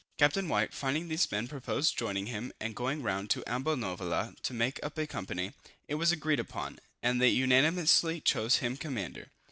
Captain White, finding these men proposed joining him, and going round to Ambonavoula, to make up a company, it was agreed upon, and they unanimously chose him commander.